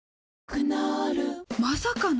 クノールまさかの！？